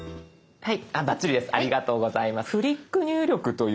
はい。